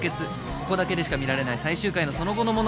ここだけでしか見られない最終回のその後の物語